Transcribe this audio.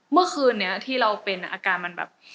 เมื่อคืนนี้ที่เราเป็นอาการมันแบบ